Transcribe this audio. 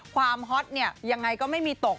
ความฮอตยังไงก็ไม่มีตก